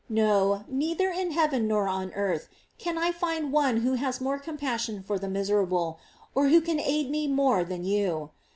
No, neither in heaven nor on earth can I find one who has more compassion for the miserable, or who can aid me more than you.